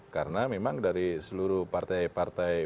karena memang dari seluruh partai partai